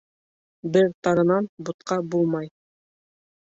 Бер тарынан бутҡа булмай.